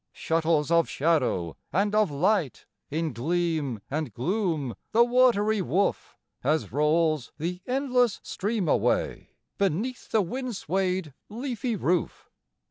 Shuttles of shadow and of light In gleam and gloom the watery woof As rolls the endless stream away Beneath the wind swayed leafy roof.